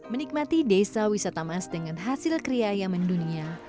menikmati desa wisata mas dengan hasil kriaya mendunia